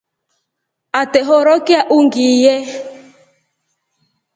Atehorokya ungiiye.